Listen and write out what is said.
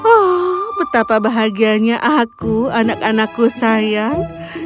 oh betapa bahagianya aku anak anakku sayang